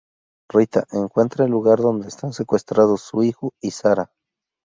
Rita, encuentra el lugar donde están secuestrados su hijo y Sara.